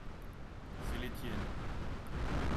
c'est les tiennes.